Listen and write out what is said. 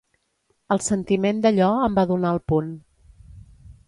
El sentiment d"allò em va donar el punt.